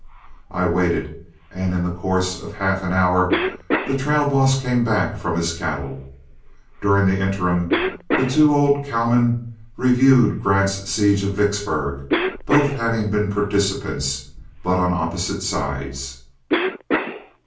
I waited, and in the course of half an hour the trail boss came back from his cattle. During the interim, the two old cowmen reviewed Grant's siege of Vicksburg, both having been participants, but on opposite sides.